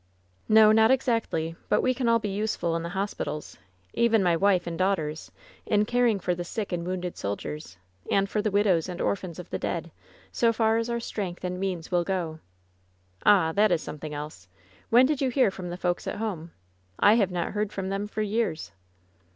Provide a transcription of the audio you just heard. "No, not exactly. But we can all be useful in the hospitals — even my wife and daughters — in caring for the sick and woimded soldiers, and for the widows and orphans of the dead, so far as our strength and means will go." "Ah! that is something else! When did you hear from the folks at home ? I have not heard from them for years."